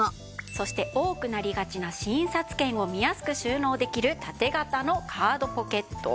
そして多くなりがちな診察券を見やすく収納できる縦型のカードポケット。